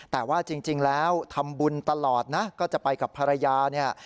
แต่ว่าจริงแล้วทำบุญตลอดนะก็จะไปกับภรรยาเนี่ย